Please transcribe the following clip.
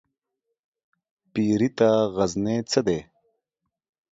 پيري ته غزنى څه دى ؟